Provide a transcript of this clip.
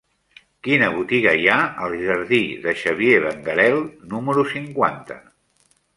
Quina botiga hi ha al jardí de Xavier Benguerel número cinquanta?